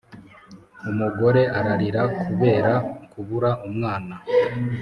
Umugore aralira kubera kubura umwana